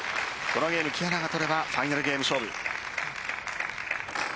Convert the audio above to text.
このゲーム木原が取ればファイナルゲーム勝負。